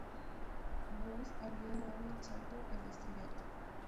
Voss había dado el salto al estrellato.